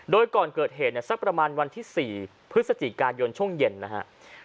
โดยก่อนเกิดเหตุเนี่ยสักประมาณวันที่๔พฤศจิกายนช่วงเย็นนะครับ